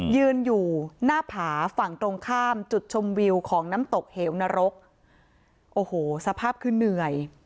ยืนอยู่หน้าผาฝั่งตรงข้ามจุดชมวิวของน้ำตกเหวนรกโอ้โหสภาพคือเหนื่อย